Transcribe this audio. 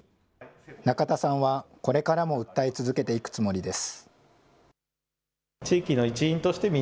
仲田さんはこれからも訴え続けていくつもりです。